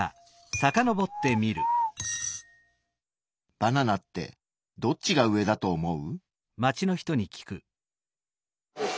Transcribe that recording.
バナナってどっちが上だと思う？